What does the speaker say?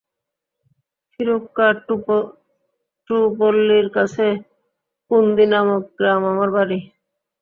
থিরুক্কাট্টুপল্লীর কাছে পুন্দি নামক গ্রাম আমার বাড়ি।